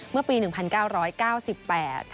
เมื่อปี๑๙๙๘ค่ะ